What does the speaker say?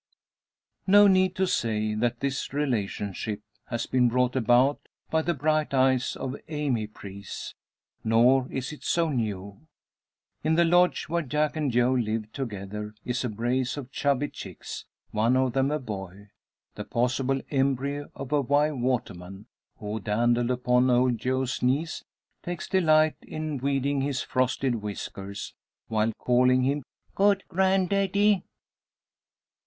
No need to say, that this relationship has been brought about by the bright eyes of Amy Preece. Nor is it so new. In the lodge where Jack and Joe live together is a brace of chubby chicks; one of them a boy the possible embryo of a Wye waterman who, dandled upon old Joe's knees, takes delight in weeding his frosted whiskers, while calling him "good grandaddy."